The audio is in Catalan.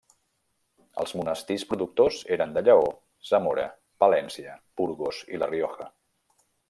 Els monestirs productors eren de Lleó, Zamora, Palència, Burgos i la Rioja.